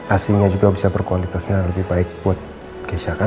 aslinya juga bisa berkualitasnya lebih baik buat keisha kan